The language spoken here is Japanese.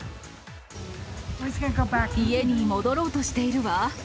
家に戻ろうとしているわ。